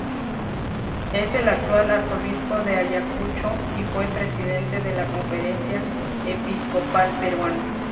Es el actual arzobispo de Ayacucho y fue presidente de la Conferencia Episcopal Peruana.